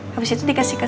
habis itu dikasih ke saya